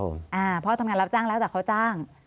เพราะทำงานรับจ้างแล้วแต่เขาจ้าง